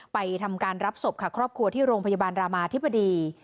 ไปทำการรับศพค่ะครอบครัวที่โรงพยาบาลรามาธิบดี